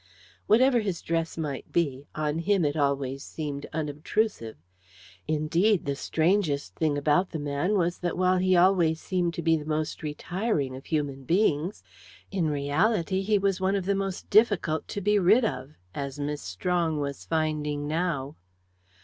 Whatever his dress might be, on him it always seemed unobtrusive; indeed, the strangest thing about the man was that, while he always seemed to be the most retiring of human beings, in reality he was one of the most difficult to be rid of, as Miss Strong was finding now.